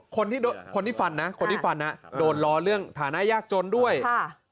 คนที่โดนคนที่ฟันนะคนที่ฟันอ่ะโดนรอเรื่องฐานะยากจนด้วยค่ะ